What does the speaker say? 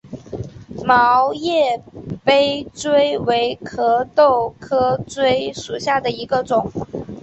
毛叶杯锥为壳斗科锥属下的一个种。